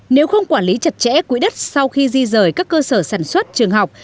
nếu không quản lý chặt chẽ quỹ đất sau khi di rời các cơ sở sản xuất trường học